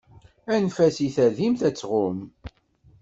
Anef-as i tadimt ad tɣumm.